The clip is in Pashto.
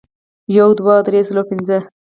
یو، دوه، درې، څلور، پنځه